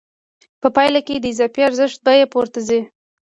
په پایله کې د اضافي ارزښت بیه پورته ځي